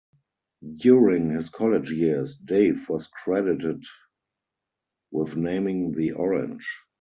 During his college years, Dave was credited with naming the "orange".